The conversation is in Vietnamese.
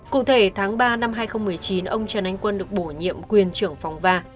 cụ thể tháng ba năm hai nghìn một mươi chín ông trần anh quân được bổ nhiệm quyền trưởng phòng ba